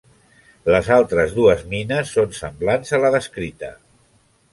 Les altres dues mines són semblants a la descrita.